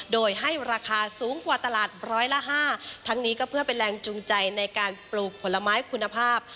โดยให้ราคาสูงกว่าตลาดร้อยละ๕ทั้งนี้ก็เพื่อเป็นแรงจูงใจในการปลูกผลไม้คุณภาพ